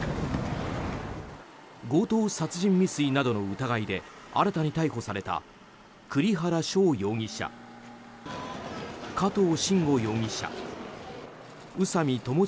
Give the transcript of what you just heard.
強盗殺人未遂などの疑いで新たに逮捕された栗原翔容疑者加藤臣吾容疑者宇佐美巴悠